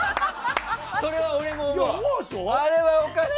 それは俺も思う。